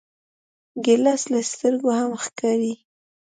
ګیلاس له سترګو هم ښکاري.